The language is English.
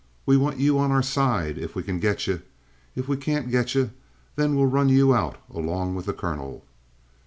We want you on our side if we can get you; if we can't get you, then we'll run you out along with the colonel."